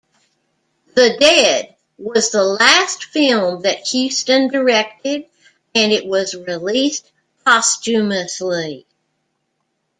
"The Dead" was the last film that Huston directed, and it was released posthumously.